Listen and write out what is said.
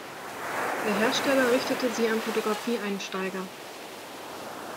Der Hersteller richtete sie an Fotografie-Einsteiger.